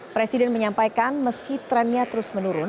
presiden menyampaikan meski trennya terus menurun